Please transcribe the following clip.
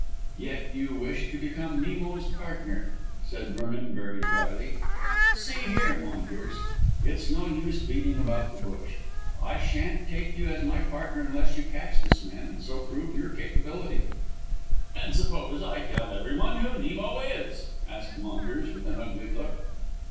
"Yet you wish to become Nemo's partner," said Vernon, very drily. "See here, Maunders, it's no use beating about the bush. I shan't take you as my partner unless you catch this man and so prove your capability." "And suppose I tell everyone who Nemo is?" asked Maunders with an ugly look.